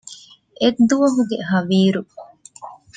އެއްދުވަހުގެ ހަވީރު